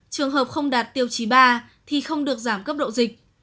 trường hợp không đạt tiêu chí ba thì không được giảm cấp độ dịch